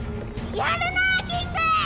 やるなぁキング！